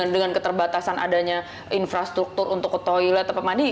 dengan keterbatasan adanya infrastruktur untuk ke toilet tempat mandi